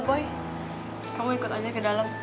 boy kamu ikut aja ke dalam